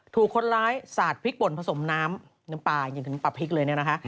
ถูกคนร้ายสาดพริกป่นผสมน้ำน้ำปลาเย็นถึงปลาพริกเลยเนี่ยนะคะ